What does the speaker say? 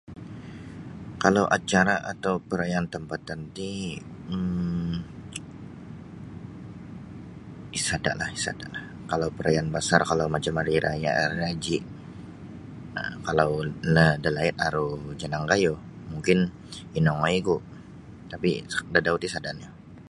Kalau acara atau perayaan tampatan ti um isada lah isada kalau perayaan basar kalau macam hari raya raya haji um kalau dalaid aru janang gayuh mungkin inongoi ku tapi dadau ti sada nio.